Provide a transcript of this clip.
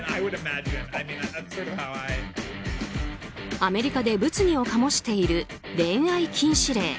アメリカで物議を醸している恋愛禁止令。